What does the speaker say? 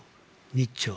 日朝